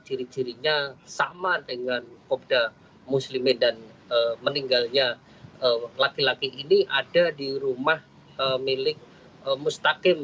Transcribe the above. ciri cirinya sama dengan kobda muslimin dan meninggalnya laki laki ini ada di rumah milik mustaqim